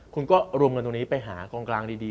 คุณก็รวมเงินตรงนี้ไปหากองกลางดี